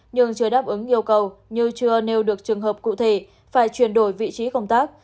nhưng chưa đáp ứng yêu cầu như chưa nêu được trường hợp cụ thể phải chuyển đổi vị trí công tác